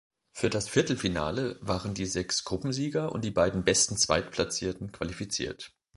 Für das Viertelfinale waren die sechs Gruppensieger und die beiden besten Zweitplatzierten qualifiziert.